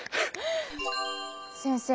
先生